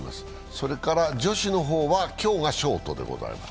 それから女子の方は今日がショートでございます。